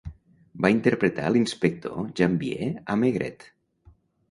Va interpretar l'inspector Janvier a Maigret.